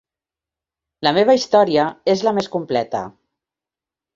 La meva història és la més completa.